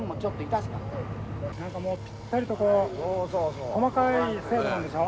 何かもうぴったりと細かい精度なんでしょ。